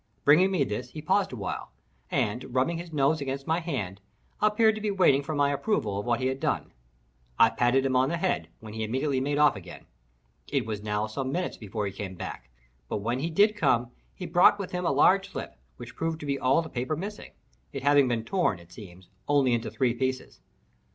Bringing me this, he paused awhile, and, rubbing his nose against my hand, appeared to be waiting for my approval of what he had done. I patted him on the head, when he immediately made off again. It was now some minutes before he came back—but when he did come, he brought with him a large slip, which proved to be all the paper missing—it having been torn, it seems, only into three pieces.